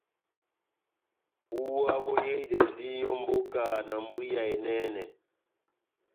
Búwa boyehidɛndi ó mbóka na mbwiya enɛnɛ.